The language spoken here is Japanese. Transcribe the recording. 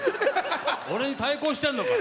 俺に対抗してんのか？